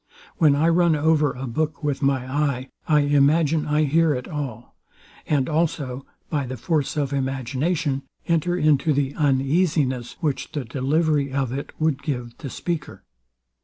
When I run over a book with my eye, I imagine I hear it all; and also, by the force of imagination, enter into the uneasiness, which the delivery of it would give the speaker.